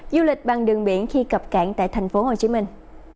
du lịch bằng đường biển khi cập cảng tại thành phố hồ chí minh